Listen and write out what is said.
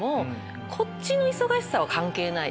こっちの忙しさは関係ない。